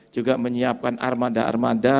juga menyiapkan armada armada